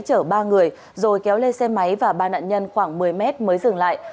chở ba người rồi kéo lên xe máy và ba nạn nhân khoảng một mươi mét mới dừng lại